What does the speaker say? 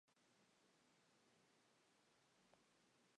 A la izquierda de Baco se muestra una Victoria alada y coronada.